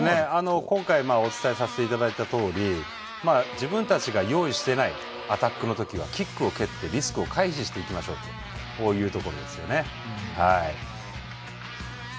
今回お伝えさせていただいたとおり自分たちが用意していないアタックの時はキックを蹴って、リスクを回避していくということですね。